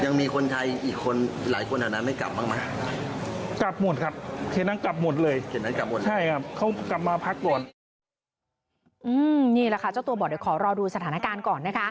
นี่แหละค่ะเจ้าตัวบอสขอรอดูสถานการณ์ก่อน